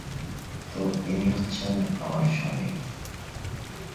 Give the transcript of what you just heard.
তো, ইনি হচ্ছেন আমার স্বামী।